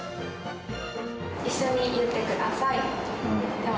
一緒に言ってください。